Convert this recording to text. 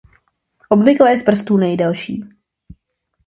Obvykle je z prstů nejdelší.